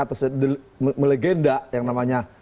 terus melegenda yang namanya